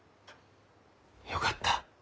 よかった。